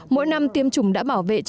mỗi năm tiêm chủng đã bảo vệ